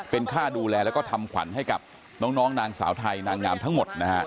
เป็นค่าดูแลแล้วก็ทำขวัญให้กับน้องนางสาวไทยนางงามทั้งหมดนะฮะ